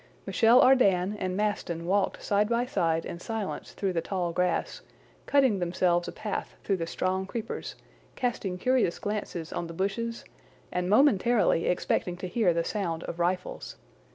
Michel Ardan and Maston walked side by side in silence through the tall grass, cutting themselves a path through the strong creepers, casting curious glances on the bushes, and momentarily expecting to hear the sound of rifles.